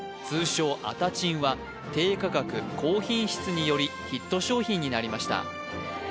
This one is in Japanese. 通称アタチンは低価格高品質によりヒット商品になりました